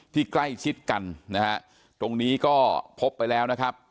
ใกล้ชิดกันนะฮะตรงนี้ก็พบไปแล้วนะครับ